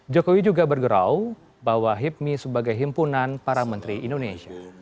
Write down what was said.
jokowi juga bergerau bahwa hipmi sebagai himpunan para menteri indonesia